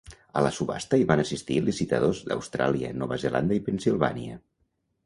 A la subhasta hi van assistir licitadors d"Austràlia, Nova Zelanda i Pennsilvània.